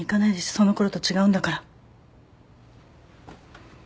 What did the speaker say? そのころと違うんだから。